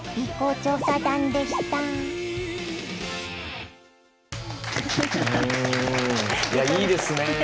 いやいいですね。